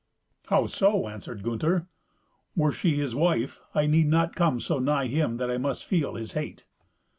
"How so?" answered Gunther. "Were she his wife, I need not come so nigh him that I must feel his hate."